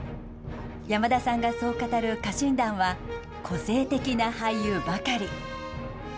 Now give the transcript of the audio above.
山田さんがそう語る家臣団は、個性的な俳優ばかり。